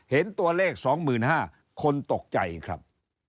เห็นตัวเลข๒๕๐๐คนตกใจครับ